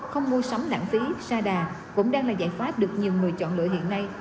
không mua sắm đẳng phí sa đà cũng đang là giải pháp được nhiều người chọn lựa hiện nay